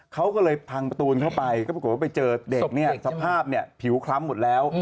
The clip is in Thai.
เขาก็เลยพังประตูเข้าไปก็ปรากฏว่าไปเจอเด็กเนี่ยสภาพเนี่ยผิวคล้ำหมดแล้ว